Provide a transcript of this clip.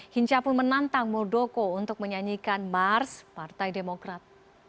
hinca pun menantang muldoko untuk menyanyikan mars partai demokrat